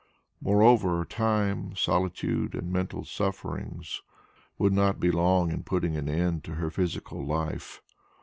Moreover time, solitude and mental sufferings would not be long in putting an end to her physical life.